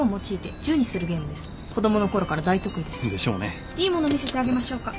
子供のころから大得意でした。でしょうね。いいもの見せてあげましょうか？